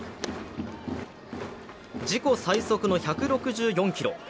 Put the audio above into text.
自己最速の１６４キロ。